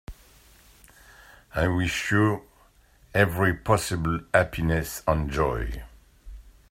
I wish you every possible happiness and joy.